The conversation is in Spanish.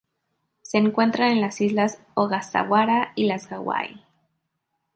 Se encuentran en las Islas Ogasawara y las Hawaii.